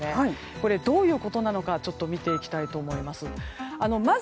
これ、どういうことなのか見ていきたいと思います。